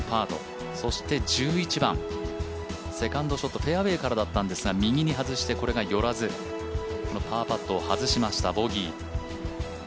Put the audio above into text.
そして１１番、セカンドショットフェアウエーからだったんですが右に外して、これが寄らずパーパットを外しましたボギー。